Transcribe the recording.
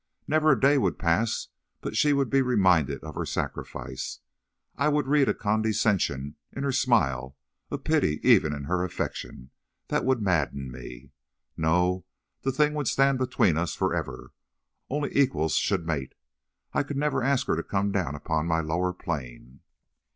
Never a day would pass but she would be reminded of her sacrifice. I would read a condescension in her smile, a pity even in her affection, that would madden me. No. The thing would stand between us forever. Only equals should mate. I could never ask her to come down upon my lower plane."